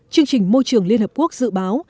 chương trình môi trường liên hợp quốc dự báo